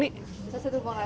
bisa satu pohon pak